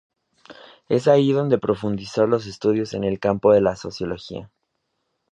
Es allí donde profundizó los estudios en el campo de la Sociología.